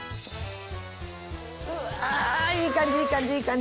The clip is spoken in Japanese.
うわいい感じいい感じ。